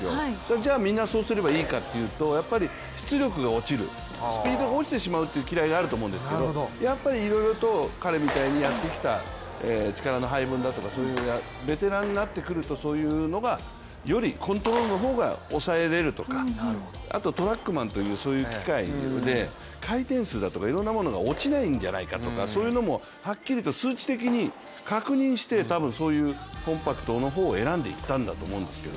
じゃあ、みんなそうすればいいかっていうと出力が落ちる、スピードが落ちてしまうという嫌いがあると思うんですけどやっぱりいろいろと彼みたいにやってきた力の配分だとかベテランになってくるとそういうのが、よりコントロールの方が押さえれるとかあとトラックマンっていう機械で回転数だとかいろんなものが落ちないんじゃないかとかはっきりと数値的に確認して多分、そういうコンパクトの方を選んでいったと思うんですけど。